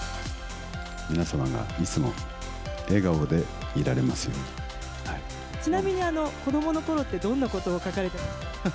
皆様がいつも笑顔でいられまちなみに、子どものころって、どんなことを書かれてました？